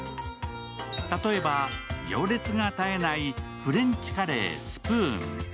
例えば、行列が絶えないフレンチカレーＳＰＯＯＮ。